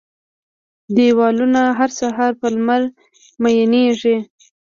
دیوالونه، هر سهار په لمر میینیږې